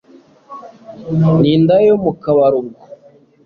nindaya yo mukabari ubwo